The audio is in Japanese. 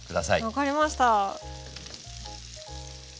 分かりました。